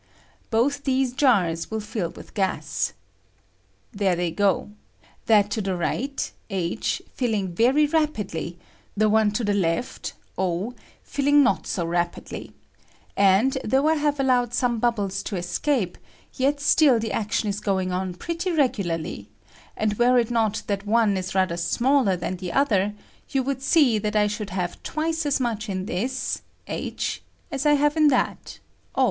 Both these jars will fill with gas. Thero I gas. Bo HYDROGEN FROM WATER. 107 I they go, that to the right (h) filUng veiy jUapidly ; the one to the left (o) filhng not so Tapidly ; and, though I Lave allowed Bome bubbles to escape, yet still the action is going on prettj^ regularly ; and were it not that one is rather smaller than the other, you ■would see I that I should have twice as much in this (h) as I I have in that (o).